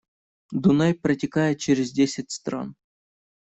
Дунай протекает через десять стран